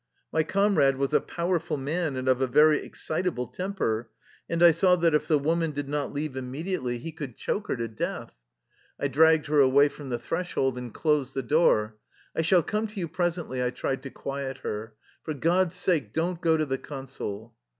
My comrade was a powerful man and of a very excitable temper, and I saw that if the woman did not leave immediately, he 244 THE LIFE STOEY OF A KUSSIAN EXILE could choke her to death. I dragged her away from the threshold and closed the door. "I shall come to you presently/' I tried to quiet her. "For God's sake, don't go to the Consul."